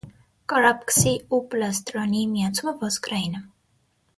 Կարապքսի ու պլաստրոնի միացումը ոսկրային է։